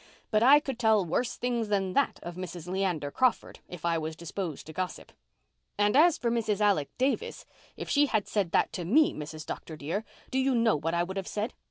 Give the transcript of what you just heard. But I could tell worse things than that of Mrs. Leander Crawford, if I was disposed to gossip. And as for Mrs. Alec Davis, if she had said that to me, Mrs. Dr. dear, do you know what I would have said?